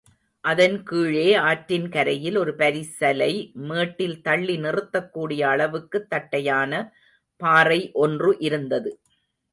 அதன்கீழே ஆற்றின் கரையில் ஒரு பரிசலை மேட்டில் தள்ளி நிறுத்தக்கூடிய அளவுக்குத் தட்டையான பாறை ஒன்று இருந்தது.